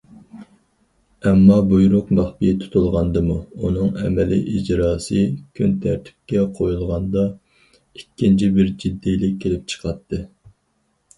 ئەمما بۇيرۇق مەخپىي تۇتۇلغاندىمۇ، ئۇنىڭ ئەمەلىي ئىجراسى كۈنتەرتىپكە قويۇلغاندا، ئىككىنچى بىر جىددىيلىك كېلىپ چىقاتتى.